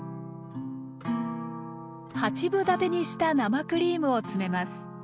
八分立てにした生クリームを詰めます。